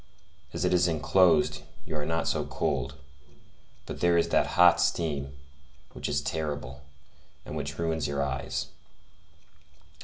As it is enclosed, you are not so cold; but there is that hot steam, which is terrible, and which ruins your eyes.